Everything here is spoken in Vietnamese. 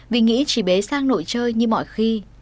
vì nghĩ chỉ bế sang nội chơi như mọi khi